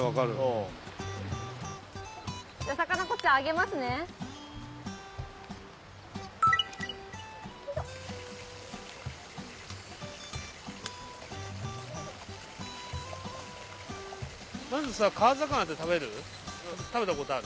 まずさ川魚って食べる？